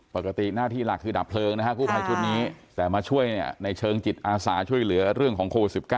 ปกติหน้าที่หลักคือดับเพลิงนะฮะกู้ภัยชุดนี้แต่มาช่วยในเชิงจิตอาสาช่วยเหลือเรื่องของโควิด๑๙